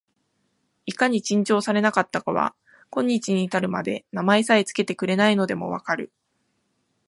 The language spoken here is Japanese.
いかに珍重されなかったかは、今日に至るまで名前さえつけてくれないのでも分かる